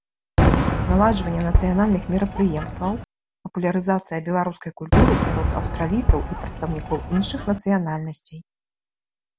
Наладжванне нацыянальных мерапрыемстваў, папулярызацыя беларускай культуры сярод аўстралійцаў і прадстаўнікоў іншых нацыянальнасцей.